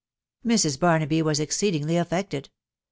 Mrs. Barnaby was exceedingly affected.